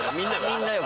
みんなが。